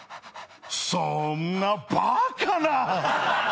そーんなバカな！